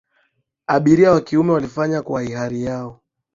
abiria wa kiume walifanya kwa hiari yao